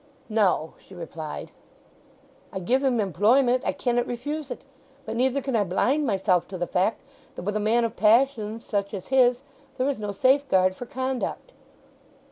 "No," she replied. "I give him employment—I cannet refuse it. But neither can I blind myself to the fact that with a man of passions such as his, there is no safeguard for conduct!"